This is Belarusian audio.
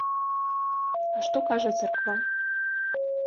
А што кажа царква?